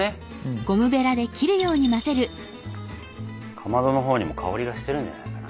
かまどのほうにも香りがしてるんじゃないかな。